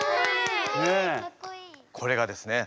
これがですね